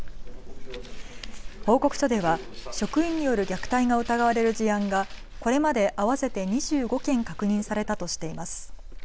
報告書では職員による虐待が疑われる事案がこれまで合わせて２５件、確認されたとしています。